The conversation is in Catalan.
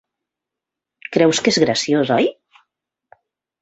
Creus que és graciós, oi?